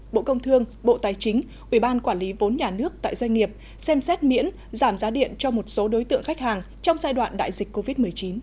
bộ công thương bộ tài chính ubnd xem xét miễn giảm giá điện cho một số đối tượng khách hàng trong giai đoạn đại dịch covid một mươi chín